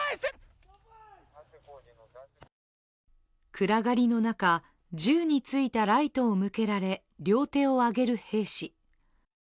暗がりの中、銃についたライトを向けられ両手を挙げる兵士。